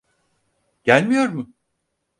Gelmiyor mu?